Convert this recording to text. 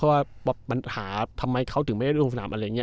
เพราะว่าปัญหาทำไมเขาถึงไม่ได้ลงสนามอะไรอย่างนี้